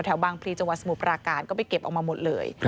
บางพลีจังหวัดสมุทรปราการก็ไปเก็บออกมาหมดเลย